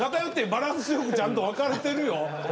バランス良くちゃんと分かれてるよ。